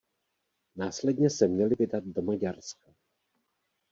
Následně se měli vydat do Maďarska.